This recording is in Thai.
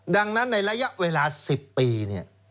ดังนั้นในระยะเวลา๑๐ปีเนี่ย